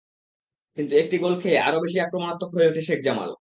কিন্তু একটি গোল খেয়ে আরও বেশি আক্রমণাত্মক হয়ে ওঠে শেখ জামাল।